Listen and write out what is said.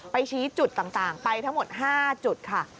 ชี้จุดต่างไปทั้งหมด๕จุดค่ะ